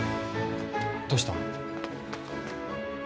どうしたの？